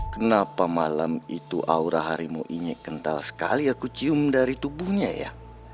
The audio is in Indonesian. kenapa malam itu aura harimau ini kental sekali aku cium dari tubuhnya ya